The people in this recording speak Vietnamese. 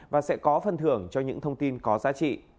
và sẽ có phân thưởng cho những thông tin có giá trị